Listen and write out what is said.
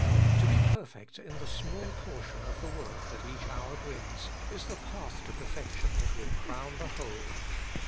To be perfect in the small portion of the work that each hour brings, is the path to the perfection that will crown the whole.